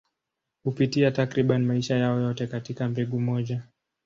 Hupitia takriban maisha yao yote katika mbegu moja.